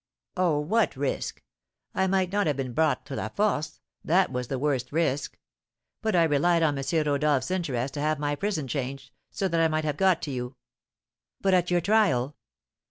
"Oh, what risk? I might not have been brought to La Force, that was the worst risk, but I relied on M. Rodolph's interest to have my prison changed, so that I might have got to you." "But at your trial?"